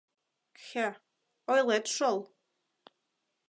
— Кхе, ойлет шол!